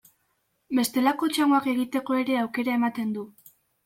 Bestelako txangoak egiteko ere aukera ematen du.